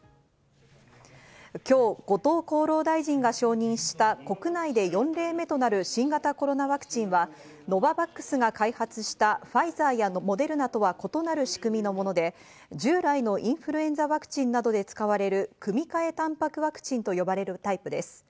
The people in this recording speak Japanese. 今日、後藤厚労大臣が承認した国内で４例目となる新型コロナワクチンはノババックスが開発したファイザーやモデルナとは異なる仕組みのもので、従来のインフルエンザワクチンなどで使われる組み換えタンパクワクチンと呼ばれるタイプです。